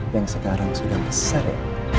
yang sekarang sudah besar ya